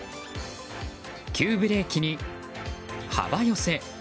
急ブレーキに幅寄せ。